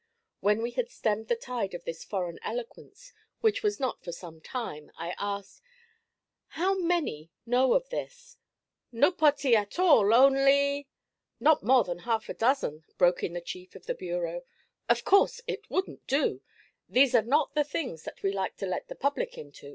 When we had stemmed the tide of this foreign eloquence, which was not for some time, I asked: 'How many know of this?' 'Nopotty at all onlee ' 'Not more than half a dozen,' broke in the chief of the bureau. 'Of course it wouldn't do! These are not the things that we like to let the public into.